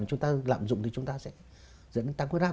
chúng ta lạm dụng thì chúng ta sẽ dẫn đến tăng huyết áp